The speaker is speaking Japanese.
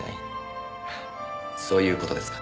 そういう事ですか？